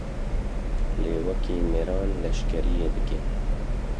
Lê wekî mêran leşkeriyê dike.